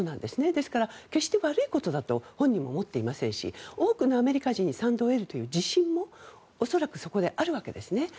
ですから決して悪いことだと本人も思っていませんし多くのアメリカ人に賛同を得るという自信も恐らくそこであるわけですね。